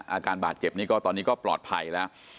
อาการบาดเจ็บนี้ก็ตอนนี้ก็ปลอดภัยแล้ว